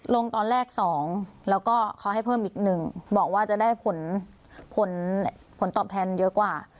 ลงตอนแรก๒แล้วก็เขาให้เพิ่มอีก๑บอกว่าจะได้ผลผลตอบแทนเยอะกว่า